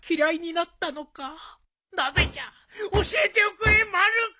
なぜじゃ教えておくれまる子！